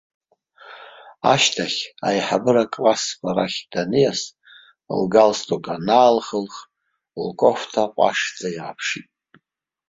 Ашьҭахь, аиҳабыра классқәа рахь даниас, лгалстук анаалхылх, лкофҭа ҟәашӡа иааԥшит.